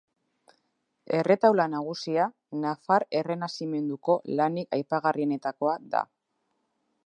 Erretaula nagusia nafar errenazimenduko lanik aipagarrienetakoa da.